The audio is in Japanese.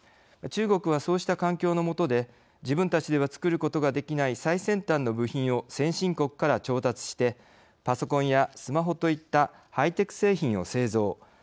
中国はそうした環境の下で自分たちでは作ることができない最先端の部品を先進国から調達してパソコンやスマホといったハイテク製品を製造。